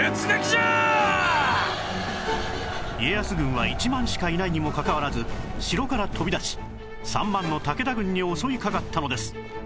家康軍は１万しかいないにもかかわらず城から飛び出し３万の武田軍に襲いかかったのです